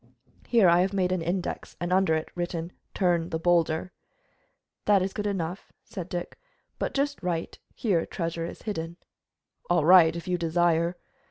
Here I have made an index, and under it written Turn the boulder." "That is good enough," said Dick, "but just write Here treasure is hidden." "All right, as you desire."